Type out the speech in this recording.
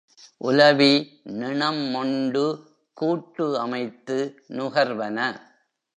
உலவி நிணம் மொண்டு கூட்டு அமைத்து நுகர்வன.